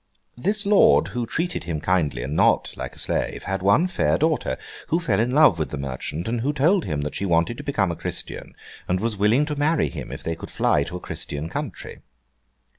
This lord, who treated him kindly and not like a slave, had one fair daughter, who fell in love with the merchant; and who told him that she wanted to become a Christian, and was willing to marry him if they could fly to a Christian country.